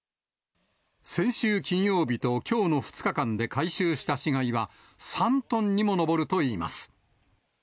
先週金曜日ときょうの２日間で回収した死骸は、３トンにも上るといいます。